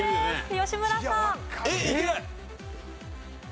吉村さん。